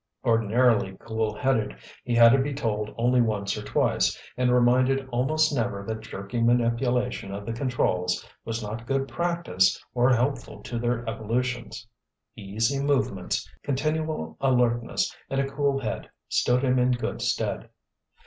Ordinarily cool headed, he had to be told only once or twice, and reminded almost never that jerky manipulation of the controls was not good practice or helpful to their evolutions. Easy movements, continual alertness and a cool head stood him in good stead.